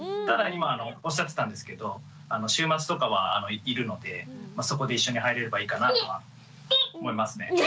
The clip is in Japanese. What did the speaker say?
ただ今おっしゃってたんですけど週末とかはいるのでそこで一緒に入れればいいかなとは思いますね。